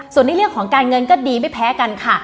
ส่วนในเรื่องของการเงินก็ดีไม่แพ้กันค่ะ